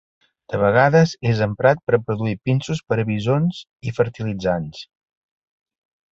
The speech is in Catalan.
De vegades, és emprat per produir pinsos per a visons i fertilitzants.